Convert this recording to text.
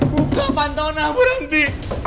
buka pantona berhenti